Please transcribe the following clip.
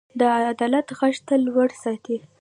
د عدالت غږ تل لوړ ساتئ.